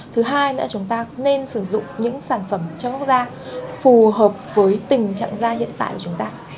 thứ hai nữa chúng ta nên sử dụng những sản phẩm cho góc da phù hợp với tình trạng da hiện tại của chúng ta